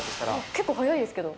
結構速いですけど。